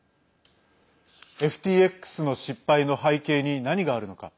ＦＴＸの失敗の背景に何があるのか。